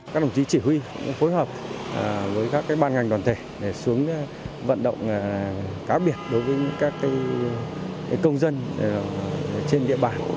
các đồng chí chỉ huy cũng phối hợp với các ban ngành đoàn thể để xuống vận động cá biệt đối với các công dân trên địa bàn